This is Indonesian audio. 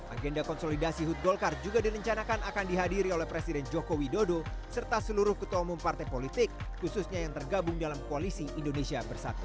agenda konsolidasi hud golkar juga direncanakan akan dihadiri oleh presiden joko widodo serta seluruh ketua umum partai politik khususnya yang tergabung dalam koalisi indonesia bersatu